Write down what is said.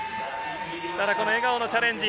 ただ、笑顔のチャレンジ。